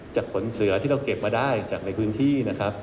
จากขนเสื้อที่เราเก็บมาได้จากในพื้นที่